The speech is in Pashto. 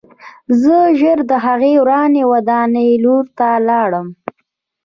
زه ژر د هغې ورانې ودانۍ لور ته لاړم